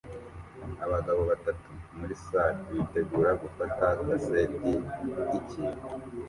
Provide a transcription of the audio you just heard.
Abagabo batatu muri sale bitegura gufata kaseti ikintu